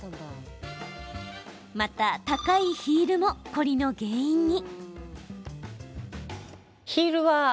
また、高いヒールも凝りの原因に。